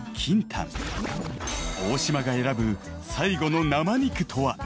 ［大島が選ぶ最後の生肉とは？］